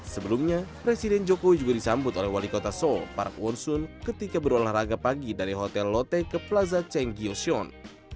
sebelumnya presiden jokowi juga disambut oleh wali kota seoul park won sun ketika berolahraga pagi dari hotel lotte ke plaza chenggyecheon